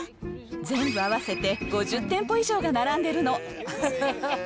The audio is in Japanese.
全部合わせて５０店舗以上が並んでるの。